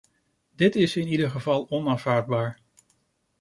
Dit is in ieder geval onaanvaardbaar.